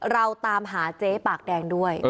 เราตามหาเจ๊ปากแดงด้วย